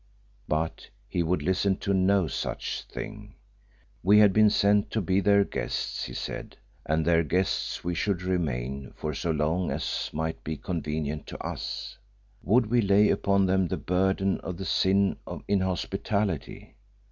But he would listen to no such thing. We had been sent to be their guests, he said, and their guests we should remain for so long as might be convenient to us. Would we lay upon them the burden of the sin of inhospitality?